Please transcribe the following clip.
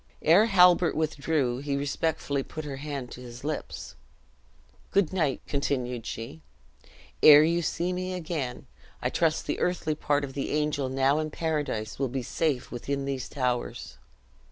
Ere Halbert withdrew, he respectfully put her hand to his lips. "Good night," continued she, "ere you see me again, I trust the earthly part of the angel now in paradise will be safe within these towers."